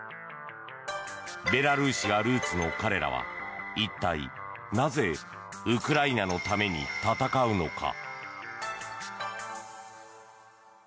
ベラルーシがルーツの彼らは一体なぜウクライナのために戦うのか。